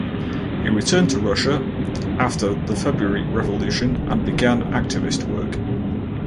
He returned to Russia after the February Revolution and began activist work.